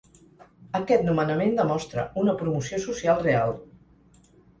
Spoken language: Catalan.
Aquest nomenament demostra una promoció social real.